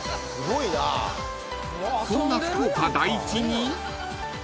［そんな福岡第一に］